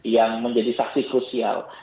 yang menjadi saksi krusial